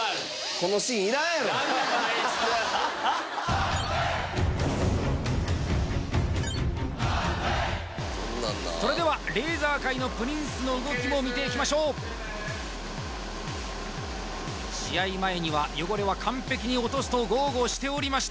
この演出それではレーザー界のプリンスの動きも見ていきましょう試合前には「汚れは完璧に落とす」と豪語しておりました